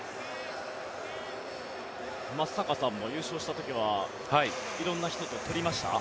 松坂さんも優勝した時は色んな人と撮りました？